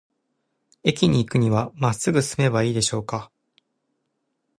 駅に行くには、まっすぐ進めばいいでしょうか。